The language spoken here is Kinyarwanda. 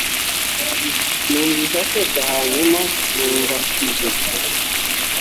numvise aseka 'hanyuma numva cussin'